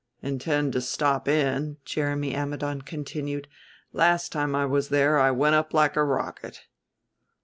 "Intend to stop in," Jeremy Ammidon continued; "last time I was there I went up like a rocket."